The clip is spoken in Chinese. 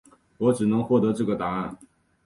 我只能获得这个答案